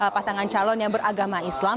pasangan calon yang beragama islam